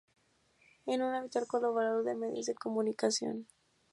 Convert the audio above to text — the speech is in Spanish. Es un habitual colaborador de medios de comunicación.